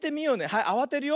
はいあわてるよ。